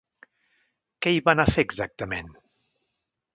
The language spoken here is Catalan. ¿Què hi va anar a fer, exactament?